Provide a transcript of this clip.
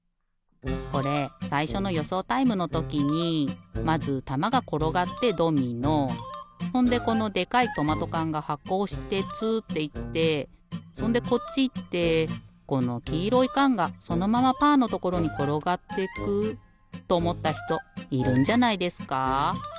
これさいしょのよそうタイムのときにまずたまがころがってドミノほんでこのでかいトマトかんがはこおしてつっていってそんでこっちいってこのきいろいかんがそのままパーのところにころがっていくっとおもったひといるんじゃないですか？